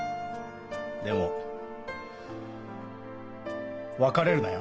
でも別れるなよ。